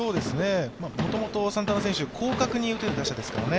もともとサンタナ選手広角に打てる打者ですからね。